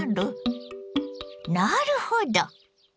なるほど！